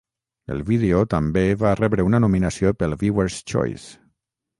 El vídeo també va rebre una nominació pel Viewer's Choice.